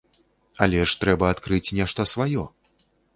Але ж трэба адкрыць нешта сваё.